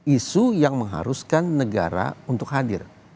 isu yang mengharuskan negara untuk hadir